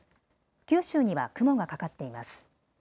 九州には雲がかかっています。